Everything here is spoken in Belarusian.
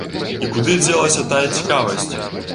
І куды дзелася тая цікавасць?!